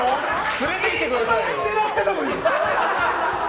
連れてきてくださいよ！